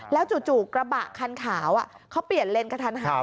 แล้วจู่กระบะคันขาวเขาเปลี่ยนเลนกระทันหัน